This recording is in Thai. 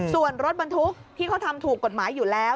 ส่วนรถบรรทุกที่เขาทำถูกกฎหมายอยู่แล้ว